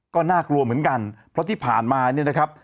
ก็น่ากลัวเหมือนกันเพราะที่ผ่านมาเนี่ยนะครับ